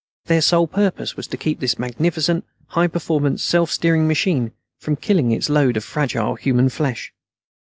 Their sole purpose was to keep this magnificent high performance, self steering machine from killing its load of fragile human flesh.